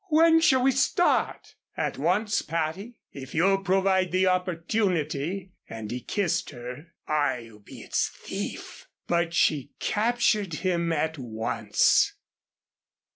"When shall we start?" "At once, Patty. If you'll provide the opportunity," and he kissed her, "I'll be its thief." But she captured him at once.